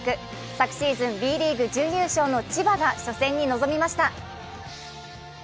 昨シーズンＢリーグ準優勝の千葉が初戦に臨みました。